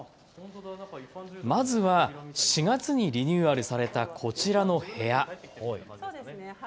まずは４月にリニューアルされたこちらの部屋。